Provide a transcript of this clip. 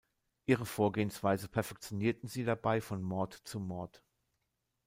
Ihre Vorgehensweise „perfektionierten“ sie dabei von Mord zu Mord.